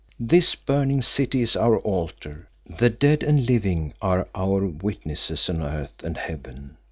This burning city is our altar, the dead and living are our witnesses on earth and heaven.